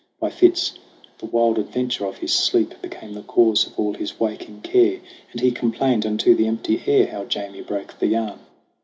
By fits the wild adventure of his sleep Became the cause of all his waking care, And he complained unto the empty air How Jamie broke the yarn.